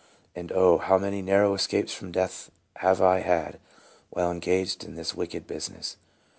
And oh, how many narrow es capes from death have I had while engaged in this .wicked business